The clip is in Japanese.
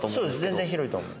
全然広いと思う。